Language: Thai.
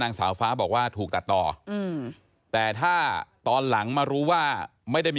นางสาวฟ้าบอกว่าถูกตัดต่ออืมแต่ถ้าตอนหลังมารู้ว่าไม่ได้มี